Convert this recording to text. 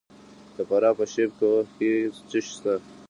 د فراه په شیب کوه کې څه شی شته؟